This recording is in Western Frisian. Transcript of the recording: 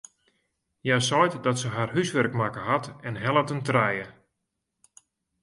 Hja seit dat se har húswurk makke hat en hellet in trije.